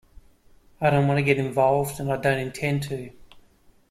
I don’t want to get involved, and I don't intend to.